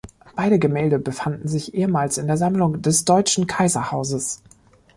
Beide Gemälde befanden sich ehemals in der Sammlung des deutschen Kaiserhauses.